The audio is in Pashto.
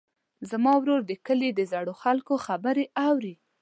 زما ورور د کلي د زړو خلکو خبرې اوري.